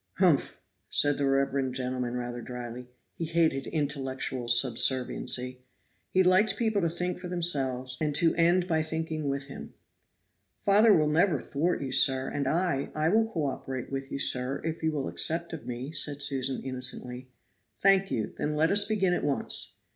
"Humph!" said the reverend gentleman rather dryly; he hated intellectual subserviency. He liked people to think for them selves; and to end by thinking with him. "Father will never thwart you, sir, and I I will co operate with you, sir, if you will accept of me," said Susan innocently. "Thank you, then let us begin at once."